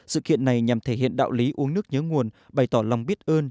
sự kiện này nhằm thể hiện đạo lý uống nước nhớ nguồn bày tỏ lòng biết ơn